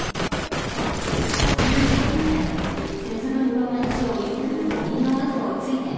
幼い頃から節分の町を行く鬼の後をついて回りました。